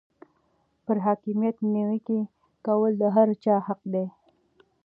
پر حاکمیت نیوکې کول د هر چا حق دی.